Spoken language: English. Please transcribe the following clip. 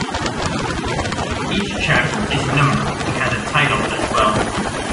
Each chapter is numbered and has a title as well.